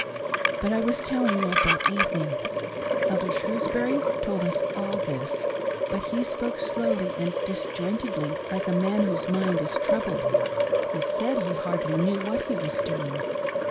But I was telling you of that evening; Elder Shrewsbury told us all this, but he spoke slowly and disjointedly, like a man whose mind is troubled. He said he hardly knew what he was doing.